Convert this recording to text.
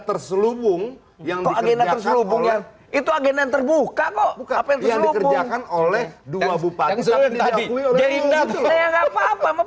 terhubungkan itu agen yang terbuka kok apa yang dikerjakan oleh dua bupati yang